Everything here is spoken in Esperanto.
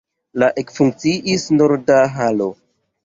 La ekfunkciis norda halo.